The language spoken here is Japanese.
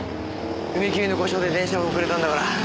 踏切の故障で電車が遅れたんだから。